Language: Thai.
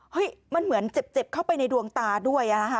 มันเหมือนเจ็บเข้าไปในดวงตาด้วย